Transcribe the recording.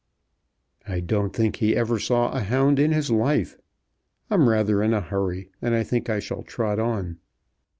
"I don't think he ever saw a hound in his life. I'm rather in a hurry, and I think I shall trot on."